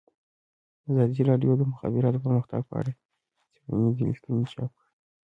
ازادي راډیو د د مخابراتو پرمختګ په اړه څېړنیزې لیکنې چاپ کړي.